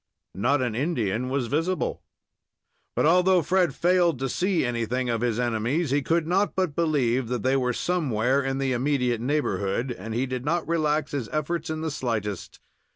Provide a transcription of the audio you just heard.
Not an Indian was visible. But although Fred failed to see anything of his enemies, he could not but believe that they were somewhere in the immediate neighborhood, and he did not relax his efforts in the slightest.